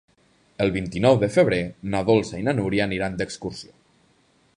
El vint-i-nou de febrer na Dolça i na Núria aniran d'excursió.